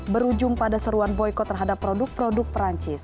berujung pada seruan boykot terhadap produk produk perancis